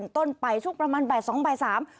ต้นไปช่วงประมาณบ่ายสองบ่ายสาม